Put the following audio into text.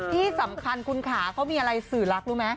ที่สำคัญคุณขาเขามีอะไรสื่อรักรู้ไหม